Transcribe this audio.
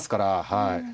はい。